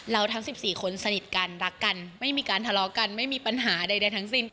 ทั้ง๑๔คนสนิทกันรักกันไม่มีการทะเลาะกันไม่มีปัญหาใดทั้งสิ้น